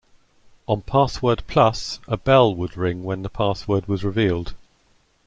On "Password Plus", a bell would ring when the password was revealed.